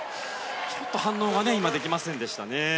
ちょっと反応ができませんでしたね。